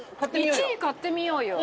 １位買ってみようよ。